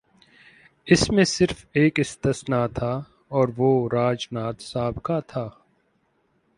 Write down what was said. اس میں صرف ایک استثنا تھا اور وہ راج ناتھ صاحب کا تھا۔